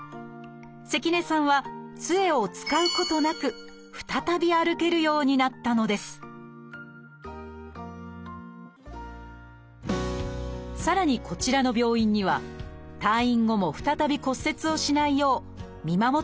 関根さんはつえを使うことなく再び歩けるようになったのですさらにこちらの病院には退院後も再び骨折をしないよう見守ってくれる人がいます。